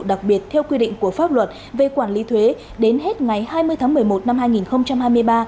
đặc biệt theo quy định của pháp luật về quản lý thuế đến hết ngày hai mươi tháng một mươi một năm hai nghìn hai mươi ba